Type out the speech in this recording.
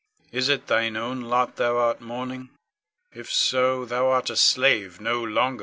Is it thine own lot thou art mourning? If so, thou art a slave no longer. Ione.